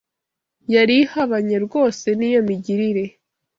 yari ihabanye rwose n’iyo migirire